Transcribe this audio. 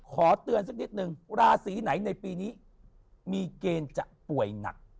ขอเตือนสักนิดนึงราศีไหนในปีนี้มีเกณฑ์จะป่วยหนัก